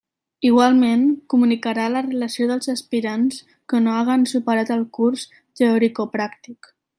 Igualment comunicarà la relació dels aspirants que no hagen superat el curs teoricopràctic.